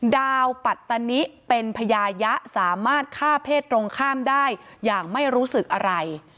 ดาวปัตตานิเป็นพญายะสามารถฆ่าเพศตรงข้ามได้อย่างไม่รู้สึกอะไร